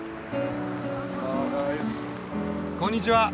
こんにちは。